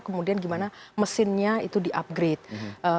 kemudian gimana mesinnya itu di upgrade